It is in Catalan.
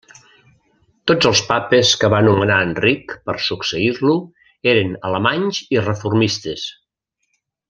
Tots els papes que va nomenar Enric per succeir-lo eren alemanys i reformistes.